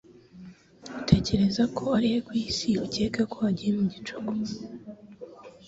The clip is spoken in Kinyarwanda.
Utekereza ko ari he ku isi ukeka ko agiye mu gicuku?